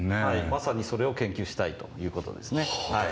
まさにそれを研究したいということですね。